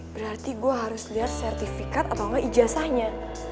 berarti gue harus lihat sertifikat atau enggak ijazahnya